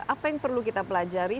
apa yang perlu kita pelajari